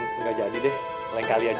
nggak jadi deh lain kali aja